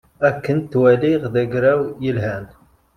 Akken ttwaliɣ d anagraw yelhan